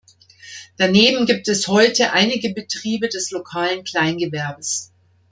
Daneben gibt es heute einige Betriebe des lokalen Kleingewerbes.